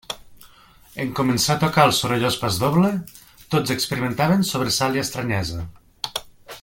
En començar a tocar el sorollós pasdoble, tots experimentaven sobresalt i estranyesa.